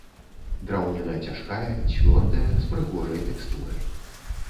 Драўніна цяжкая, цвёрдая, з прыгожай тэкстурай.